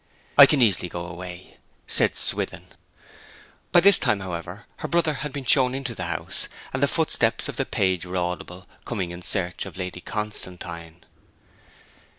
'I can easily go away,' said Swithin. By this time, however, her brother had been shown into the house, and the footsteps of the page were audible, coming in search of Lady Constantine.